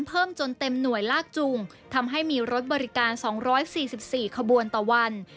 เพิ่มจนเต็มหน่วยลากจูงทำให้มีรถบริการ๒๔๔ขบวนต่อวัน